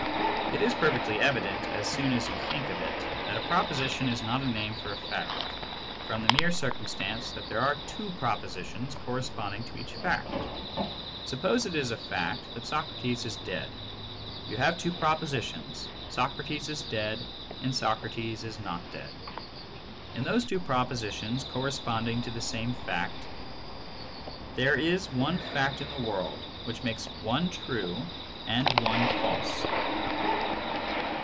It is perfectly evident as soon as you think of it, that a proposition is not a name for a fact, from the mere circum stance that there are two propositions corresponding to each fact. Suppose it is a fact that Socrates is dead. You have two propositions: "Socrates is dead" and "Socrates is not dead." And those two propositions corresponding to the same fact, there is one fact in the world which makes one true and one false.